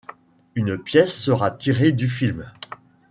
Une pièce sera tirée du film.